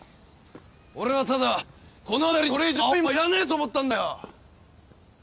俺はただこの辺りにこれ以上青いもんはいらねえと思ったんだよ！